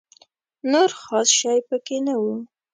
نور خاص شی په کې نه و.